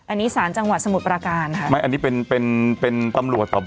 อันนี้สารจังหวัดสมุทรประการค่ะไม่อันนี้เป็นเป็นเป็นตำรวจสพ